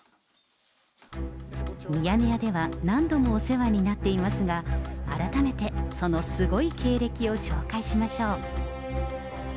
ミヤネ屋では何度もお世話になっていますが、改めてそのすごい経歴を紹介しましょう。